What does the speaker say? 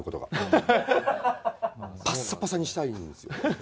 パッサパサにしたいんですよね。